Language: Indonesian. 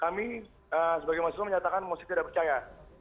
kami sebagai masyarakat menyatakan masih tidak percaya